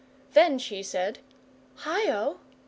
Then she said, "Hi o!"